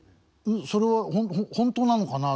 それは本当なのかな